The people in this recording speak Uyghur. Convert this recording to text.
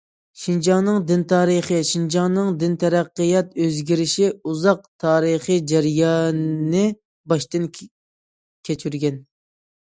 شىنجاڭنىڭ دىن تارىخى شىنجاڭنىڭ دىن تەرەققىيات ئۆزگىرىشى ئۇزاق تارىخىي جەرياننى باشتىن كەچۈرگەن.